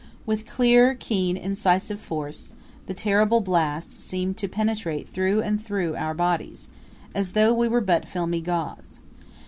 With clear, keen, incisive force, the terrible blasts seemed to penetrate through an through our bodies, as though we were but filmy gauze.